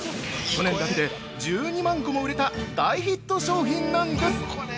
去年だけで１２万個も売れた大ヒット商品なんです！